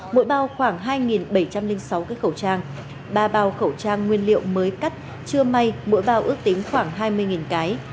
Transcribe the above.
mỗi bao khoảng hai bảy trăm linh sáu cái khẩu trang ba bao khẩu trang nguyên liệu mới cắt chưa may mỗi bao ước tính khoảng hai mươi cái